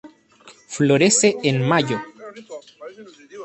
Florece en Mayo.